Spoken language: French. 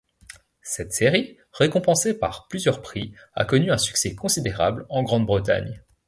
Cette série, récompensée par plusieurs prix, a connu un succès considérable en Grande-Bretagne.